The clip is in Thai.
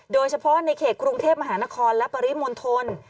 โดยเฉพาะในเขตกรุงเทพมหานครและปริมณฑล